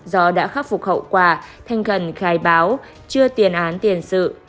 do đã khắc phục hậu quả thanh khẩn khai báo chưa tiền án tiền sự